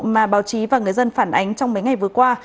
mà báo chí và người dân phản ánh trong mấy ngày vừa qua